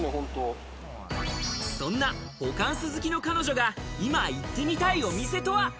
そんなホカンス好きの彼女が今行ってみたいお店とは？